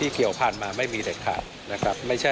ที่เกี่ยวผ่านมาไม่มีเด็กทาง